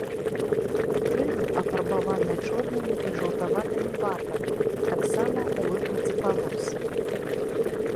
Крылы афарбаваныя чорнымі і жаўтаватымі барвамі, таксама ў выглядзе палос.